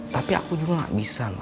tapi aku juga gak bisa loh